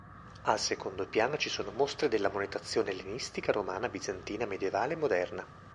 Al secondo piano ci sono mostre della monetazione ellenistica, romana, bizantina, medievale e moderna.